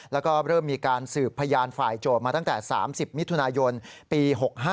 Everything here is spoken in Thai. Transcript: แล้วก็เริ่มมีการสืบพยานฝ่ายโจทย์มาตั้งแต่๓๐มิถุนายนปี๖๕